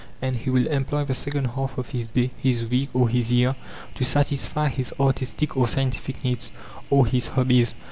And he will employ the second half of his day, his week, or his year, to satisfy his artistic or scientific needs, or his hobbies.